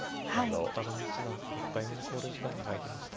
片上七段６回目の考慮時間に入りました。